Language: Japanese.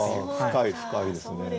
深い深いですね。